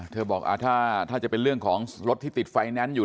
บอกถ้าจะเป็นเรื่องของรถที่ติดไฟแนนซ์อยู่